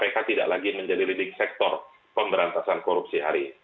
sehingga kpk tidak lagi menjadi lidik sektor pemberantasan korupsi hari ini